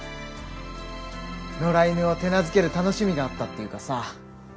野良犬を手なずける楽しみがあったっていうかさ。